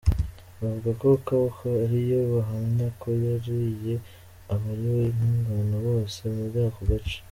Bavuga ko “Kaboko” ariyo bahamya ko yariye abariwe n’ingona bose muri aka gace.